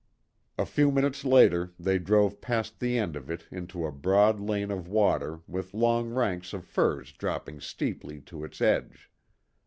A few minutes later, they drove past the end of it into a broad lane of water with long ranks of firs dropping steeply to its edge.